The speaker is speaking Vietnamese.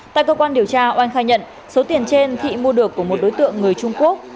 tại cơ quan điều tra oanh khai nhận số tiền trên thị mua được của một đối tượng người trung quốc